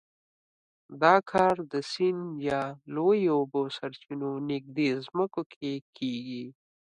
دا کار د سیند یا لویو اوبو سرچینو نږدې ځمکو کې کېږي.